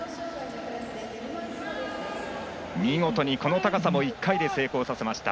見事にこの高さも１回で成功させました。